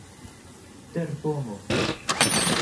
terpomo